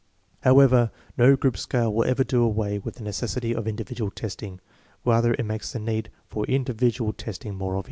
2 However, no group scale will ever do away with the necessity of individual testing. Rather it mokes the need for individual testing more obvious.